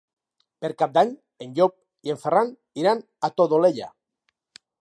Per Cap d'Any en Llop i en Ferran iran a la Todolella.